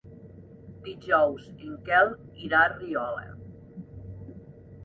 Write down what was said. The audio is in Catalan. Dijous en Quel irà a Riola.